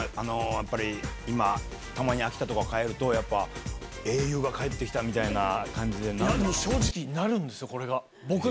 やっぱり、今、たまに秋田とか帰ると、やっぱ、英雄が帰ってきた正直なるんですよ、これが。